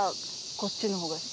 こっちの方が素敵。